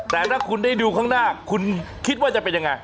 แต่ถ้าคุณได้ดูข้างหน้าคุณคิดว่าจะเป็นยังไง